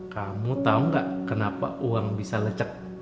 kamu tau gak kenapa uang bisa lecek